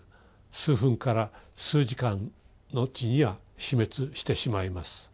数分から数時間後には死滅してしまいます。